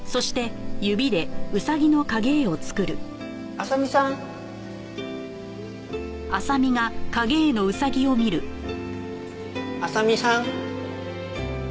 「麻未さん」「麻未さん」